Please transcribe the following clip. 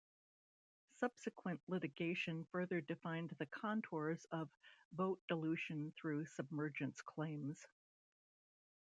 Subsequent litigation further defined the contours of "vote dilution through submergence" claims.